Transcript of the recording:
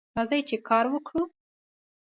راځئ چې کار وکړو